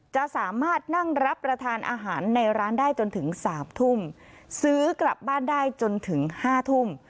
จะสามารถนั่งรับประทานอาหารในร้านได้จนถึงสามทุ่มซื้อกลับบ้านได้จนถึงห้าทุ่ม